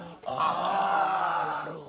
ああなるほど。